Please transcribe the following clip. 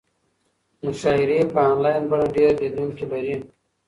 مشاعرې په انلاین بڼه ډېر لیدونکي لري.